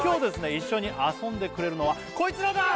一緒に遊んでくれるのはコイツらだ！